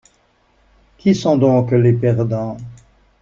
Qui sont donc les perdants?